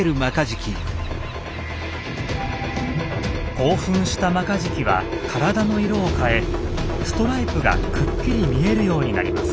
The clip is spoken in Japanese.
興奮したマカジキは体の色を変えストライプがくっきり見えるようになります。